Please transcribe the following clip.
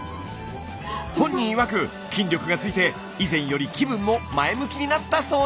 本人いわく筋力がついて以前より気分も前向きになったそうです！